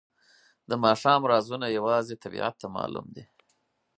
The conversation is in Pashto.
د ماښام رازونه یوازې طبیعت ته معلوم دي.